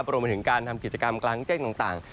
รวมไปถึงการทำกิจกรรมกลางแจ้งต่าง